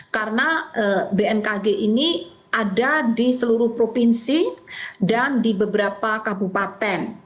karena bmkg ini ada di seluruh provinsi dan di beberapa kabupaten